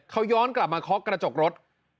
เขาย้อนกลับมาเคาะกระจกรถ